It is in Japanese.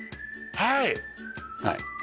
はい